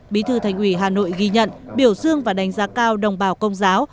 bí thư thành ủy hà nội ghi nhận biểu dương và đánh giá cao đồng bào công giáo